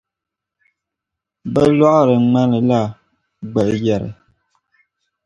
Bɛ lɔɣiri ŋmanila gbal’ yari.